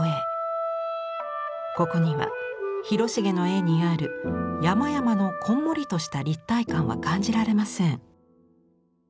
ここには広重の絵にある山々のこんもりとした立体感は感じられません。